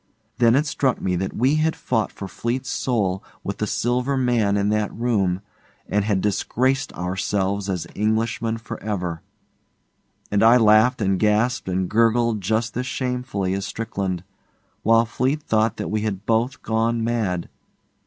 Then it struck me that we had fought for Fleete's soul with the Silver Man in that room, and had disgraced ourselves as Englishmen for ever, and I laughed and gasped and gurgled just as shamefully as Strickland, while Fleete thought that we had both gone mad.